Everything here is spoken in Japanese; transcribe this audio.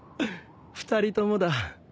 ２人ともだ。